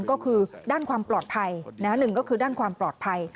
ก็คือด้านความปลอดภัยหนึ่งก็คือด้านความปลอดภัย